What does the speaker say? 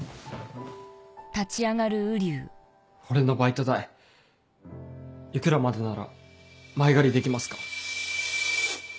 俺のバイト代幾らまでなら前借りできますか？